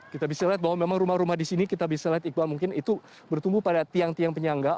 kita bisa lihat bahwa memang rumah rumah di sini kita bisa lihat iqbal mungkin itu bertumbuh pada tiang tiang penyangga